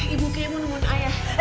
ibu kay mau nemuan ayah